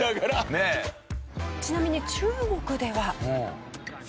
ちなみに中国では。